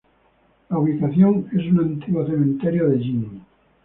La ubicación es un antiguo cementerio de Ying.